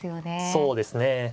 そうですね。